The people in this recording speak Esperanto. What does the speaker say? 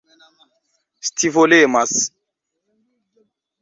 scivolemas